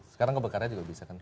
sekarang ke bekarya juga bisa kan